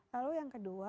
lalu yang kedua